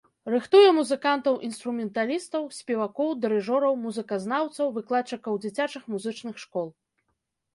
Рыхтуе музыкантаў-інструменталістаў, спевакоў, дырыжораў, музыказнаўцаў, выкладчыкаў дзіцячых музычных школ.